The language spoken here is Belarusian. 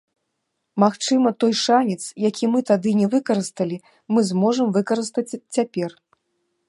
Магчыма, той шанец, які мы тады не выкарысталі, мы зможам выкарыстаць цяпер.